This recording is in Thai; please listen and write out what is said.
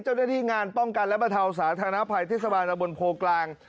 เจ้าหน้าที่งานป้องกันและบรรเทาสาธารณภัยเทศบาลตะบนโพกลาง